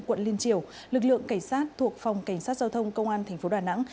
quận liên triều lực lượng cảnh sát thuộc phòng cảnh sát giao thông công an tp đà nẵng